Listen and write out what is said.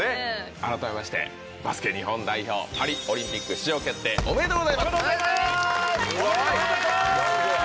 改めまして、バスケ日本代表、パリオリンピック出場決定おめでおめでとうございます。